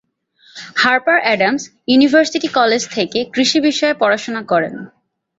Harper Adams University College থেকে কৃষি বিষয়ে পড়াশোনা করেন।